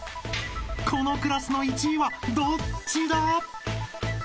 ［このクラスの１位はどっちだ？］